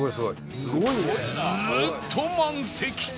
ずーっと満席